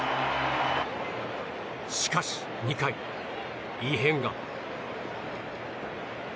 しかし２回、異変が。